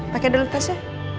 pakai dulu tasnya